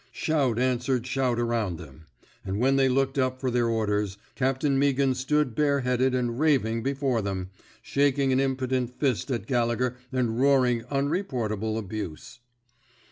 Shout answered shout around them. And when they looked up for their orders. Captain Meaghan stood bare headed and raving before them, shaking an impotent fist at Gallegher and roaring unre portable abuse.